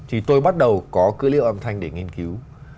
thì tôi bắt đầu có cứ liệu âm thanh để nghiên cứu